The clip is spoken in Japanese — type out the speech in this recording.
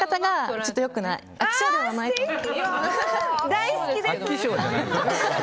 大好きです！